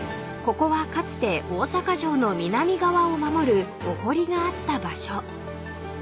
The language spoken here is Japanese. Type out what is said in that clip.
ここはかつて大阪城の南側を守るお堀があった場所］